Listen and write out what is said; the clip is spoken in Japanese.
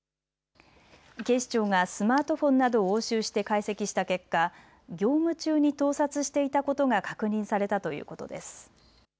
警視庁がスマートフォンなどを押収して解析した結果、業務中に盗撮していたことが確認されたということです。